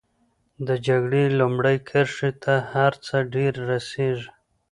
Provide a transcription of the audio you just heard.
د جګړې لومړۍ کرښې ته هر څه ډېر رسېږي.